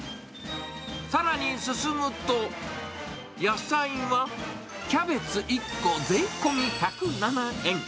さらに進むと、野菜は、キャベツ１個税込み１０７円。